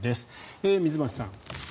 水町さん。